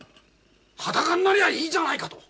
裸になりゃいいじゃないかと。